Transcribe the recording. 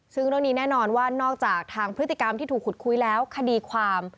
ซึ่งเรื่องนี้แน่นอนว่านอกจากทางพฤติกรรมที่ถูกขุดคุยแล้วคดีความ